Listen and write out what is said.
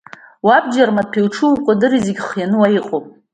Уабџьар маҭәеи уҽи-укәадыри зегь хианы уа иҟоуп.